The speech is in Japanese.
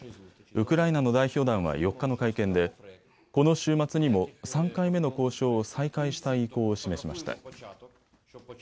ウクライナの代表団は４日の会見でこの週末にも３回目の交渉を再開したい意向を示しました。